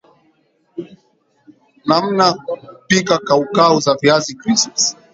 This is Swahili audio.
nanmna kupika kaukau za viazi crisps